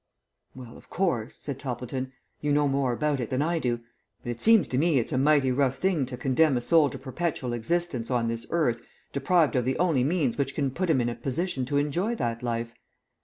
"Well, of course," said Toppleton, "you know more about it than I do, but it seems to me it's a mighty rough thing to condemn a soul to perpetual existence on this earth deprived of the only means which can put him in a position to enjoy that life.